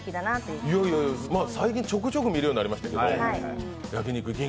いやいや、最近ちょくちょく見るようになりましたけど。